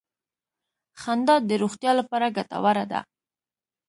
• خندا د روغتیا لپاره ګټوره ده.